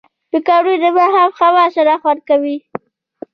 پکورې له ماښامي هوا سره خوند کوي